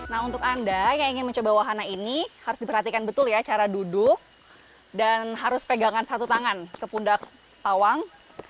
nah untuk anda yang ingin mencoba wahana ini harus diperhatikan betul ya cara duduk dan harus pegangan satu tangan ke pundak pawang